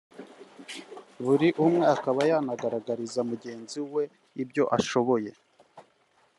buri umwe akaba yanagaragariza mugenzi we ibyo ashoboye